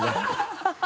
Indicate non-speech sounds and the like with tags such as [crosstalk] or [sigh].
ハハハ [laughs]